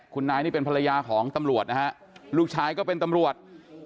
คุณนายนี่เป็นภรรยาของตำรวจนะฮะลูกชายก็เป็นตำรวจ